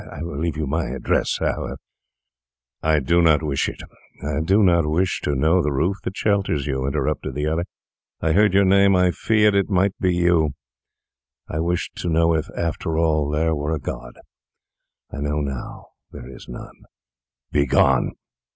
I will leave you my address, however—' 'I do not wish it—I do not wish to know the roof that shelters you,' interrupted the other. 'I heard your name; I feared it might be you; I wished to know if, after all, there were a God; I know now that there is none. Begone!